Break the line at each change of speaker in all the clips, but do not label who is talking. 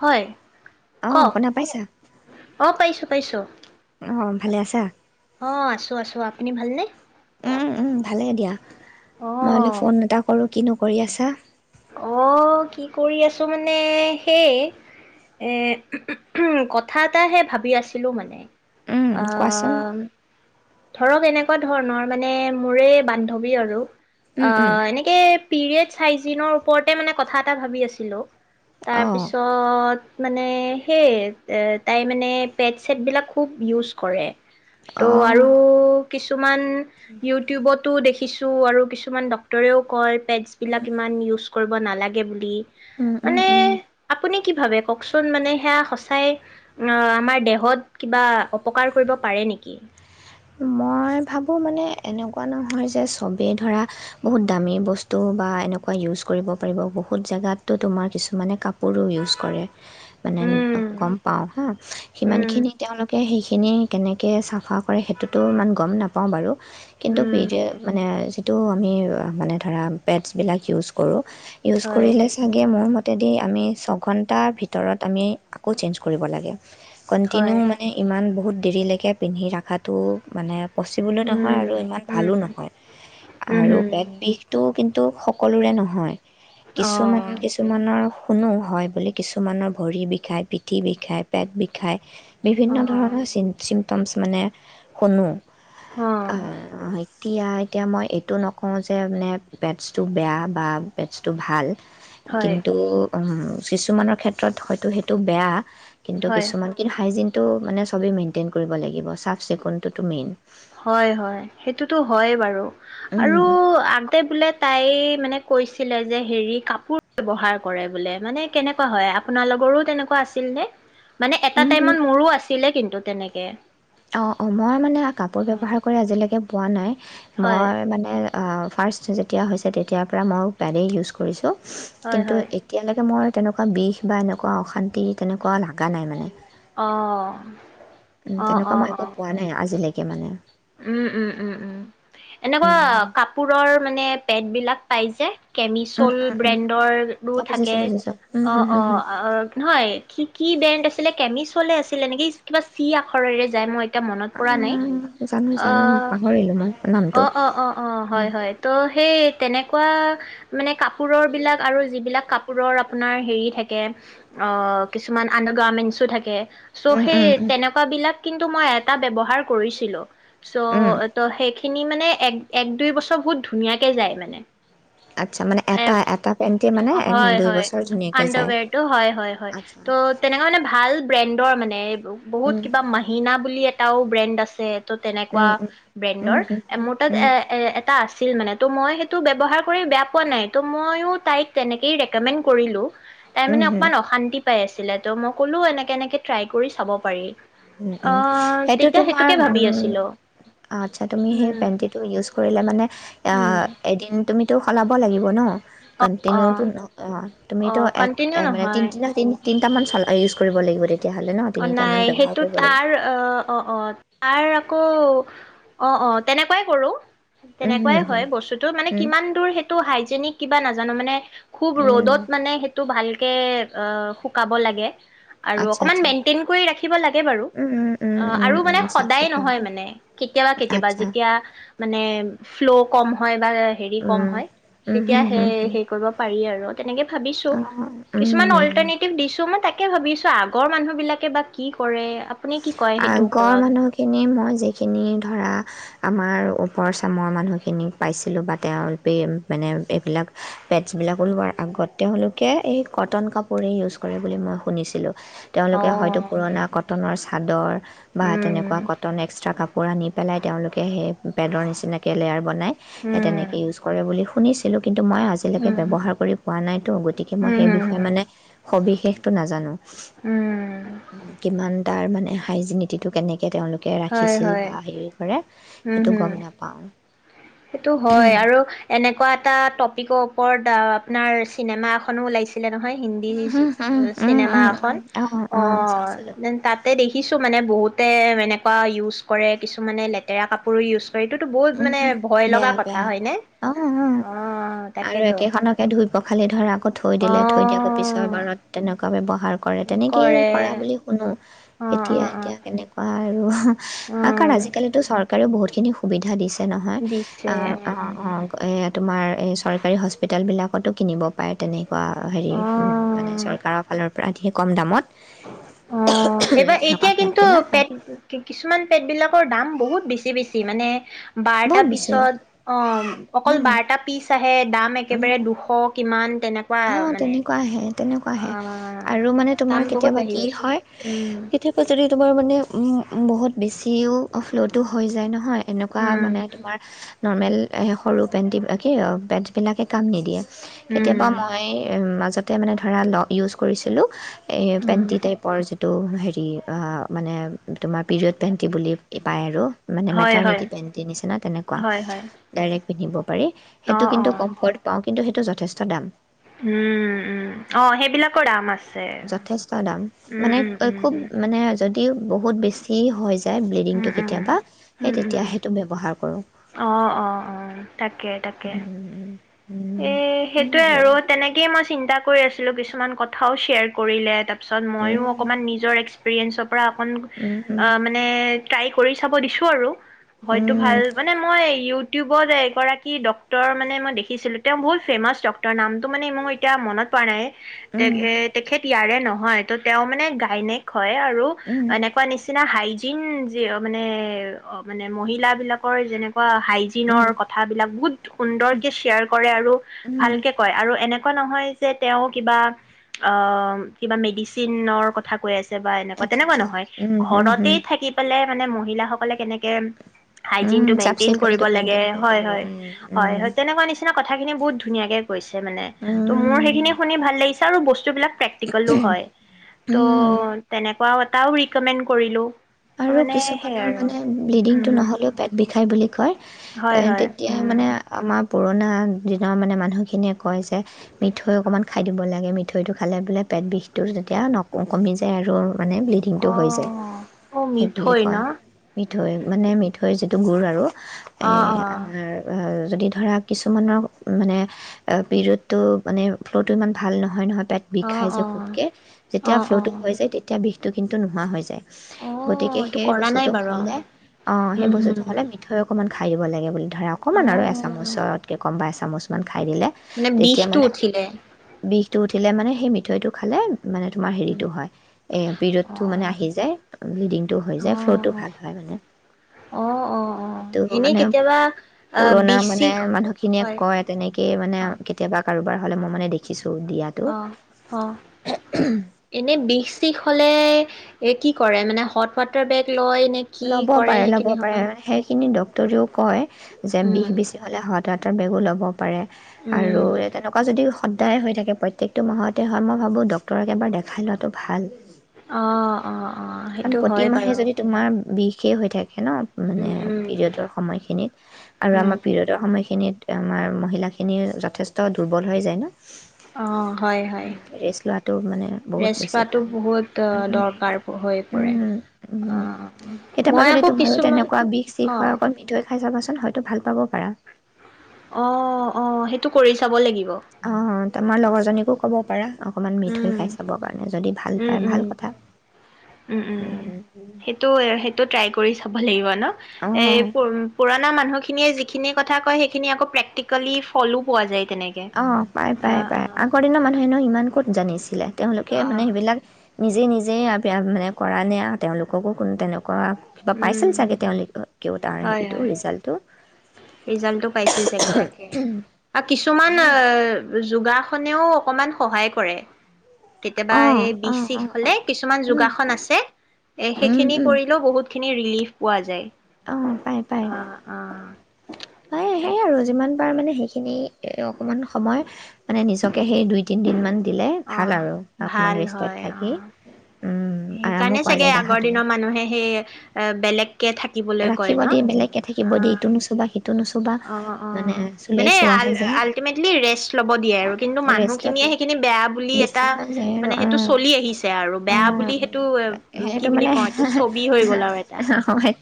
হয়,
অঁ
কক,
শুনা পাইছা
অ', পাইছোঁ। পাইছোঁ।
অ', ভালে আছা?
অ', আছো আছো, আপুনি ভালনে?
উম, উম, ভালে দিয়া।
অ
মই হলে ফোন এটা কৰো কিনো কৰি আছা।
অ', কি কৰি আছোঁ মানে সেই এ, কথা এটাহে ভাবি আছিলোঁ মানে
উম কোৱাচোন
আহম। ধৰক এনেকুৱা ধৰণৰ মানে, মোৰেই বান্ধৱী আৰু।
উম উম
অ', এনেকে পিৰিয়ডচ হাইজিনৰ মানে কথা এটা ভাবি আছিলো
অঁ
তাৰপিছত মানে, সেই এ, তাই মানে পেদ ছেদ বিলাক খুব ইউজ কৰে। ত'
অঁ
আৰু কিছু মান ইটিউবটো দেখ কিছু আৰু কিছুমান ডাক্তৰেও কয়
উম
পেজবিলাক ইমান ইউজ কৰিব নালাগে বুলি
উম, উম,
মানে
উম।
আপুনি কি ভাবে কওঁকচোন? মানে সেয়া সঁচাই আহ, আমাৰ দেহত কিবা অপকাৰ কৰিব পাৰে নেকি?
মই ভাবোঁ মানে এনেকুৱা নহয় যে, চবেই ধৰা বহুত দামী বস্তু বা এনেকুৱা ইউজ কৰিব পাৰিব বহুত জেগাততো তোমাৰ কিছুমানে কাপোৰো ইউজ কৰে। মানে
উম,
গম পাও হা, সিমান
উম,
খিনি তেওঁলোকে সেই খিনি কেনেকৈ চাফা কৰে সেইটোতো ইমান গম নাপাওঁ বাৰু কিন্তু
উম,
বিজয় মানে টো আমি মানে ধৰা পেদচ বিলাক ইউজ কৰোঁ ইউজ
হয়,
কৰিলে চাগে মোৰ মত যদি আমি ছঘণ্টাৰ ভিতৰত আমি আকৌ চেঞ্জ কৰিব লাগে।
হয়,
কণ্টিনিউ মানে ইমান বহুত দেৰিলৈকে পিন্ধি ৰাখাত তটো মানে পচিবলো নহয়,
উম,
আৰু ইমান ভালো
উম,
নহয়
উম,
আৰু
হুম,
পেট বিষটো কিন্তু টো সকলোৰে নহয় কিছুমান
অ',
কিছুমানৰ শুনো হয়, বুলি কিছুমানৰ ভৰি বিষায়, পিঠি বিষায়, পেট বিখায়। বিভিন্ন
অ',
ধৰণৰ চিণ চিম টমছ মানে শুনো অ', [unintelligible] এতিয়া, এতিয়া মই এইটো নকওঁ যে, মানে, বেটছটো বেয়া বা বেটছটো ভাল।
হয়,
কিন্তু অম কিছুমানৰ ক্ষেত্ৰত, হয়তো সেইটো বেয়া কিন্তু,
হয়।
কিছুমানকিন হাইজিন টো, মানে, চবে মেইনটেইন কৰিব লাগিব চাফ চেকুনটোতো মেইন
হয় হয়, সেইটোতো হয়েই বাৰু। আৰু আনতে বোলে তাই, মানে কৈছিলে যে, হেৰি, কাপোৰ ব্যৱহাৰ কৰে বোলে। মানে, কেনেকুৱা হয়? আপোনালোকৰো তেনেকুৱা আছিল নে? মানে, এটা টাইমত মোৰো আছিলে, কিন্তু তেনেকে
অ', অ', মই মানে কাপোৰ ব্যৱহাৰ কৰে আজিলেকে পোৱা নাই।
হয়
মই, মানে অ, ফাৰ্ষ্ট যেতিয়া হৈছে, তেতিয়াৰ পৰা মইও পেডেই ইউজ কৰিছোঁ।
হয়
কিন্তু,
হয়
এতিয়ালৈকে মই তেনেকুৱা বিষ বা এনেকুৱা অশান্তি, তেনেকুৱা লাগা নাই মানে
অ'
উম তেনেকুৱা মই একো পোৱা নাই আজিলৈক কে মানে।
ও, ও, ও, ও। এনেকুৱা
উম,
কাপোৰৰ মানে পেট বিলাক পায় যে
উম,
কেমিচ'ল
উম, উম,
ব্ৰেণ্ডৰ ৰো
অ', বুজিছোঁ
থাকে,
বুজিছোঁ উম,
অ,
হম,
অ,
হম, হম।
নহয় কি কি ব্ৰেণ্ড আছিলে, কেমিছ চলে আছিলে নেকি? কিবা চি আখৰেৰে যায় মই এতিয়া মনত পৰা নাই।
ও, জানো [unintelligible]
অ'
পাহৰিলোঁ মই। নামটো
অ, অ, অ, অ, হয়- হয়, ত' সেই তেনেক কুৱাই, মানে কাপ পোৰৰ বিলাক আৰু যিবিলাক কাপ পোৰৰ আপোনাৰ হেৰি থাকে, অ' কিছুমান আন্দাৰ গাৰ্মেণ্টচো থাকে চ'
উম
সেই
উম উম
তেনেকুৱা বিলাক কিন্তু মই এটা ব্যৱহাৰ কৰিছিলো।
উম
চ' ত' শেখ খিনি, মানে, এক-এক, দুই বছৰ বহুত ধুনীয়াকে যায়, মানে
আচ্ছা মানে এটা
[unintelligible]
এটা পেণ্টি মানে দুই
হয়-হয়,
বছৰ ধুনীয়াকে যায়
আণ্ডাৰৱেৰটো। হয়-হয়-হয়
আচ্ছা
ত', তেনেকুৱা, মানে, ভাল ব্ৰেণ্ড [unintelligible] মানে [unintelligible] বহুত
উম
কিবা, মাহিনা বুলি এ এটাও ব্ৰেণ্ড আছে ত', তেনেকুৱা
উম উম
ব্ৰেণ্ডৰ
উম উম
মোৰ তাত,
উম
এ-এ, এটা আছে আছিল, মানে, ত' মই সেইটো ব্যৱহাৰ কৰি বেয়া পোৱা নাই। ত' ময়ো তাইক তেনেকেই ৰেক'মেণ্ড কৰিলোঁ। তাই,
উম
মানে,
হুম
অকমান অশান্তি পাই আছে। আছিলে ত' মই ক'লো, এনেকে-এনেকে ট্ৰাই কৰি চাব পাৰি অ
উম-উম, সেইটো
তেতিয়া
তোমাৰ।
সেইটোকে ভাবি
উম,
আছিলো
আচ্ছা, তুমি সেই
উম
পেণ্টিটো ইউজ কৰিলে, মানে, আ,
উম
এদিন তুমি টো সলাব লাগিব ন?
অ অ
কণ্টিনিউটো নপহা।
অ
তুমিতো এক,
কন্টিনিউ
এক [unintelligible] তিনি
নহয়
দিনা তিনি-তিনি [unintelligible] ইউজ কৰিব লাগিব তে তেতিয়াহ'লে ন?
অ
তিনিটামান
নাই সেইটো
ব্যৱহাৰ
তাৰ অ' অ' তাৰ আকৌ অ' অ' তেনেকুৱাই কৰো।
উম হুম
তেনেকুৱাই
হুম
হয় বস্তুতটো মানে
উম
কিমান দূৰ সেইটো হাইজেনিক কিবা নাজানো মানে খুব
উম
ৰ'দত মানে সেইটো ভাল। কে শুকাব লাগে। আৰু
আচ্ছা
অকনমান
আচ্ছা
[unintelligible] [unintelligible] কৰি ৰাখিব লাগে বাৰু
উম, উম, উম, উম,
আৰু
উম,
মানে
চাফ
সদায় নহয়
চিকুণটো
মানে কেতিয়াবা কেতিয়াবা
আচ্ছা
যেতিয়া মানে ফ্ল' কম হয়। বা হেৰি কম
উম।
হয়
উম,
তেতিয়া
হুম, হুম,
সেই
হুম,
হে কৰিব পাৰি আৰু তেনেকে ভাবিছো,
অ', উম, হুম,
কিছুমান
হুম।
অল্টাৰনেটিভ দিছো মই তাকেই তাকেই ভাবিছো আগৰ মানুহবিলাক বা কি কৰে। আপুনি কি কয় সেইটোৰ
আগৰ
ওপৰত
মানুহখিনি মই যিখিনি ধৰা আমাৰ ওপৰ চামৰ মানুহখিনিক পাইছিলো বা তেওৰে মানে এইবিলাক পেডছবিলাক উলিওৱাৰ আগত তেওলোকে এই কটন কাপোৰেই ইউজ কৰে বুলি মই শুনিছিলো।
অ
তেওঁলোকে হয়তো পুৰণা কথ চাদৰ বা তেনেকুৱা
উম
কটন এক্সট্ৰা কাপ পৰা নি পেলাই তেওঁলোকে সেই পেদৰ নিচিনাকে লেয়াৰ বনায় সেই তেনেকে
উম
ইউজ কৰে বুলি শু শুনিছিলোঁ। কিন্তু মই আজিলৈকে
উম
ব্যৱহাৰ কৰি পোৱা নাইতো, গতিকে
উম
মই
উম
সেই
উম
বিষয়ে মানে সবিশেষটো নাজানোঁ।
উম
তাৰ মানে হাইজিনিটিটো কেনেকে তেওঁলোকে
হয়
ৰাখিছিল
হয়
বা হেৰি কৰে
উম
সেইটো
হম
গম নাপাওঁ।
সেইটো হয় আৰু এনেকুৱাত এটা ট'পিকৰ ওপৰত আপোনাৰ চিনেমা এখনো ওলাইছ [unintelligible] নহয় এহ হিন্দী
উম
চিনেমা
উম
এখন,
উম অ
অ',
চাইছিলো
তাতে দেখিছোঁ মানে বহুত তে এনেকুৱা ইউজ কৰে, কিছুমানে লেতেৰা কাপোৰো ইউজ এইটোতো বহুত
উম
মানে
বেয়া
লগা
বেয়া,
কথা হয়নে
অ', অ', আৰু একেখনকে ধু ধুই পোখালি ধৰক আকৌ থৈ
অ
দিলে, থৈ দি আকৌ পিছৰ বাৰত তেনেক বাবে ব ব্যৱহাৰ কৰে, তেনেকেই
কৰে
কৰা বুলি শুনো।
অ অ
এতিয়া
অ
এতিয়া কেনেকুৱা আৰু আকাৰ
উম
আজিকালিটো চৰকাৰেও বহুত [unintelligible] সুবিধা দিছে নহয়,
দিছে
অহ, অহ, এ তোমাৰ এই চৰকাৰী হস্পিতালবিলাকতো কিনিব পাৰে তেনেই। অ হেৰি হুম মানে
অ
চৰকাৰৰ ফালৰ পৰা ধে কম দামত।
অ', এইবাৰ
তেনেকুৱা
এতিয়া কিন্তু
পেডবিলাক পায়
পেদ কিছুমান পেদবিলাকৰ দাম বহুত বেছি-বেছি মানে বাৰটা
বহুত বেছি
পিচত, অ', অকল
উম,
বাৰটা পিচ আহে, দাম
উম।
একেবাৰে দুশ কিমান আম টেঙা
অ', তেনেকুৱাহে। তেনেকুৱাহে
অ',
আৰু মানে
দাম
তোমাৰ
বহুত
কেতিয়াবা
বাঢ়ি
কি
গৈছে।
হয়
উম,
কেতিয়াবা যদি তোমাৰ মানে উম উম বহুত বেছিও অফলদো হৈ যায় নহয়। এনেকুৱা
উম,
মানে তোমাৰ নৰ্মেল সৰু পেণ্টি বিলাকে পেডচ বিলাকে কাম নিদিয়ে। কেতিয়াবা
উম।
মই উম মাজে তাতে মানে ধৰা লো ইউচ কৰিছিলো এই
উম,
পেণ্টি টাইপৰ যিটো হেৰি ই মানে তোমাৰ পিৰিয়ড পেণ্টি বুলি পায় আৰু মানে
হয়, হয়,
মেটাৰ্নিটি পেণ্টি নিছিনা তেনেকুৱা
হয়, হয়।
ডাইৰেক্ট পিন্ধিব পাৰি সেইটো
অ',
কিন্তু
অ',
কম্ফৰ্ট পাও কিন্তু সেইটো যথেষ্ট দাম।
উম উম অ' সেইবিলাকৰ দাম আছে।
যথেষ্ট দাম
উম,
মানে
উম, উম,
খুব মানে তেও বহুত বেছি হয়।
উম,
ব্লিদিংটো
উম,
কেতিয়াবা এ
উম, উম,
তেতিয়াহে সেইটো ব্যৱহাৰ [inaudible]
অ' অ' অ'। তাকে তাকে।
উম,
এ
সেই
সেইটোয়ে আৰু তেনেকেই মই চিন্তা কৰি আছিলো কিছুমান কথাও শ্বেয়াৰ কৰিলে তাত। পিছত ময়ো
উম,
অকণমান নিজৰ এস্ক [unintelligible] পৰা অকন
উম,
মানে তাইক কৰি চাব দিছো আৰু হয়তো
উম,
ভাল মানে মই ইউ ইউটিউবত এগৰাকী ডক্তৰ মানে মই দেখিছিলো। তেওঁ বহুত ফেমাচ ডক্তৰ নামটো মানে মোৰ এতিয়া মনত পৰা নাই। তে
উম,
এ তেখেত ইয়াৰে নহয় তো তেওঁ মানে গাইনেক হয় আৰু
উম,
এনেকুৱা নিচিনা হাই জিন, যিঅ' মানে অ মানে মহিলাবিলাকৰ যেনেকু
উম,
হাইজিনৰ কথাবিলাক বহুত সুন্দৰকে শ্বেয়াৰ কৰে আৰু
উম,
ভালকে কয় আৰু এনে এনে কোৱা নহয় যে তেও কিবা অ' কিবা মেডিচিনৰ কথা কৈ আছে। বা এনেকুৱা,
আচ্ছা
তেনেকুৱা
আচ্ছা
নহয়।
উম, হুম,
ঘৰতে
হুম,
থাকি পেলাই মানে মহিলাসকলে কেনেকে হাইজিন
উম,
টো
চাফ
মেইনটেইন কৰিব
চিকুণটো
লাগে,
মেইনটেইন কৰিব লাগিব উম,
হয়-হয়-হয়, হয় তেনেকুৱা নিচ কথাখিনি বহুত ধুনীয়াকে কৈছে মানে।
উম, উম,
ত' মোৰ সেইখিনি শুনি ভাল লাগিছে আৰু বস্তুবিলাক প্ৰেকটিকেলো হয়।
উম।
ত' তেনে [unintelligible] এটাও ৰিকমেণ্ড কৰিলো।
আৰু কিছুমানৰ মানে ব্লিডিংটো
উম
নহ'লেও পেট বিষ বিষায় বুলি কয়।
হয়
এ
হয়
তেতিয়া
উম।
মানে আমা পুৰণা দিনৰ মানে মানুহখিনিয়ে কয় যে, মিঠৈ অকণমান খাই দিব লাগে। মিঠৈটো খালে বোলে পেট বিষটো যেতিয়া ন-কমি যায় আৰু মানে ব্লিডিংটো হৈ যায়।
অ' অ'
সেই বুলি
মিঠৈ,
কয়
ন'?
মিঠৈ, মানে মিঠৈৰ যিটো গুড় আৰু আমাৰ
অ-অ
যদি ধৰা কিছুমানৰ মানে, পিৰিয়ডটো মানে ফ্ল'টো ইমান ভাল নহয়, নহয় পেট বিখাই
অ',
যে খুব
অ',
কে, যেতিয়া
অ',
ফ্ল' টো
অ',
হৈ যায় তেতিয়া বিষ টো কিন্তু নোহোৱা হৈ যায়। গতিকে,
অ', এইটো
সেই
কৰা নাই
বস্তুটো
বাৰু
হ'লে, অ সেই
উম,
বস্তুটো
হম।
হ'লে মিঠৈ অকমান খাই দিব লাগে বুলি ধৰা অকণমান আৰু
অ',
এচামুচতকে কম বা এছা চামুচমান খাই দিলে,
মানে
তেতিয়া
বিষটো
মানে
উঠিলে
বিষ বিষটো উঠিলে মানে সেই মিঠৈটো খালে মানে তোমাৰ হেৰিটো হয়, এ
অ',
পিৰিয়ডটো মানে আহি যায় ব্লিডিংটো হৈ যায় ফ্ল'টো
অ',
ভাল হয় মানে।
অ', অ', অ',
সেইটো
এনেই
মানে
কেতিয়াবা আহ
পুৰণা
বিষ
মানে
চিষ
মানুহখিনিয়ে
হয়
কয়, তেনেকেই মানে
অ',
কেতিয়াবা কাৰোবাৰ হ'লে মই মানে দেখিছোঁ। দিয়াটো
অ', অ', এনে বিষ-শিষ হ'লে এ, কি কৰে মানে? হট-ৱাটাৰ বেগ লয়? নে কি
ল'ব
কৰে
পাৰে, ল'ব
সেইখিনি
পাৰে।
সময়ত?
সেইখিনি দ তোৰো কয় যে
উম,
বিষ বেছি হ'লে হট-ৱাটাৰ ৱাটাৰ বেগো ল'ব পাৰে।
উম,
আৰু তেনেকুৱা যদি স সদায় হৈ থাকে, প্ৰত্যেকটো মাহতে হয়, মই ভাবো, ডক্টৰক এবাৰ দেখাই লোৱাটো ভাল।
অ'। অ'। অ',
কাৰণ,
সেইটো হয় বাৰু।
প্ৰতিমাহে যদি তোমাৰ, বিষ সেই হৈ থাক হেনো মানে,
উম, উম,
পিৰিয়'ডৰ সময়খিনিত। আৰু
উম,
আমাৰ পিৰিয়'ডৰ সময়খিনিত আমাৰ মহিলাখিনিৰ যথেষ্ট দুৰ্বল হৈ যায় ন?
অ', হয়, হয়।
ৰেষ্ট লোৱাটো মানে বহুত
ৰেষ্ট
বেছি
লোৱাটো
ভাল
বহুত
উম
দৰকাৰ, হয়। পৰে।
উম উম।
অ', উম।
কেতিয়াবা
মই
যদি
আকৌ কিছুমান, অ'।
যাবাচোন, হয়তো ভাল পাব। পাৰা
অ', অ', সেইটো কৰি চাব লাগিব।
অ', তোমাৰ
অ',
লগৰজনীকো ক'ব পাৰা। অকণমান মিঠৈ
উম,
খাই চাবৰ কাৰণে যদি ভাল
উ,
পায়
উম,
ভাল কথা
উ, উম। সেইটো, সেইটো ট্ৰাই কৰি চাব লাগিব ন! এই
অ
পুৰ-পুৰণা মানুহ খিনিয়েই যিখিনি কথা কয়, সেইখিনি আকৌ প্ৰেক্টিকেলি ফলো পোৱা যায়। তেনেকে।
অ', পায়, পায়,
অ',
পায়।
অ',
আগৰ দিনৰ মানুহ হেনো ইমান ক'ত জানিছিলে? তেওঁলোকে মানে,
অ',
সেইবিলাক নিজে, নিজেই আ ইয়াত মানে কৰা নাই আৰু তেওঁলোককো কোনো তেনেকুৱা কৰাত কিবা পাইছিল
উম,
চাগে, তেওঁলোকেও তাৰ
হয়,
হেৰিটো,
হয়,
ৰিজাল্টটো।
ৰিজাল্টটো পাইছিল চাগে তাকে। আৰু কিছুমান
[unintelligible]
যোগাসনেও অকণমান সহায় কৰে। কেতিয়াবা
অ',
সেই
অ',
বিষ-চিষ
অ',
হ'লে, কিছুমান
উম,
যোগাসন আছে। এ,
উম,
সেইখিনি
উম,
কৰিলেও বহুত খিনি ৰিলিফ পোৱা যায়।
অ', পাই, পাই,।
অ', অ',
পাই,
তাক
সেই আৰু যিমান পাৰো মানে সেইখিনি অকণমান সময়, মানে, নিজকে সেই দুই-তিনদিন মান
অ' ভাল হয়
থাকি
অ'
উম, আৰামো
সেইকাৰণে
পোৱা
চাগে
যায়
আগৰ
দেহাটোৱে।
দিনৰ মানুহে হেই এ বেলেগ
ৰাখিব দিয়ে বেলেগকে থাকিব দিয়ে
অ',
ইটো নুচুবা সিটো নুচু
অ', অ' মানে আল
যায়
আলটিমেটলি ৰেষ্ট ল'ব দিয়ে আৰু কিন্তু
ৰেষ্টতে
মানুহখিনিয়ে সেইখিনি বেয়া বুলি
বেছি
এটা
হৈ যায় আৰু
মানে সেইটো চলি আহিছে আৰু
অ অ',
বেয়া বুলি সেইটো কি
সেইটো
বুলি
মানে
কওঁ এইটো ছবি হৈ গ'ল আৰু এটা।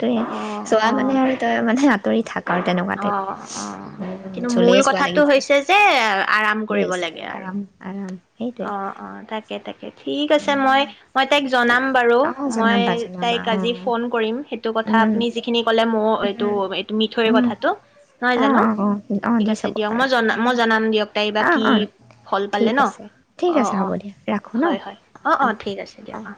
তয়ে
অ',
চোৱা
অ',
মানে আৰু তই মানে দৰি থাক। আৰু তেনেকুৱা টাইপ
অ' অ'
উম
কিন্তু মূল
চুলেই চোৱা
কথাটো
লাগি যায়
হৈছে যে আৰাম কৰিব
ৰেষ্ট
লাগে আৰু।
আৰাম আৰাম সেইটোৱে
অ' অ' তাকে তাকে ঠিক আছে মই মই তাইক জনাম বাৰু
অ
মই
জনাবা জনাবা
তাইক
অ
আজি ফোন কৰিম সে এইটো কথা
উম
আপুনি যিখিনি কলে মই এইটো এইটো মিঠৈৰ
উম
কথাটো নহয়
অ
জানো
অ অ অ
ঠিক
দি
আছে
চাব
দিয়ক মই
পাৰা
জনা মই জনাম দিয়ক তাই বা
অ
কি
অ
ফল পালে
ঠিক
ন।
আছে ঠিক
অ',
আছে হ'ব
অ',
দিয়া ৰাখোঁ ন
হয় হয়। অ', অ', ঠিক আছে দিয়ক অ'।